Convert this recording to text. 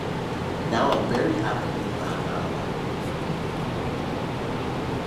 Now I’m very happy because I’m not alone.